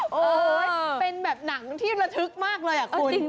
โอ้โหเป็นแบบหนังที่ระทึกมากเลยอ่ะคุณ